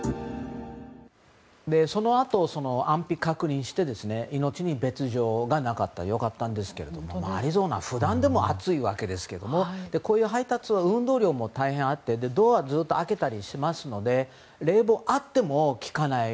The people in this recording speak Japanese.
そのあと安否確認して命に別状はなかった良かったんですがアリゾナ普段でも暑いわけですけどこういう配達は運動量も大変あってドアをずっと開けたりしますので冷房があっても効かない。